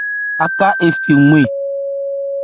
Aká ophɛ́ nnwɛ.